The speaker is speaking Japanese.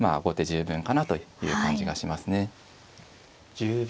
１０秒。